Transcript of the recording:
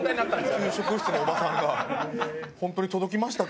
給食室のおばさんが「本当に届きましたか？」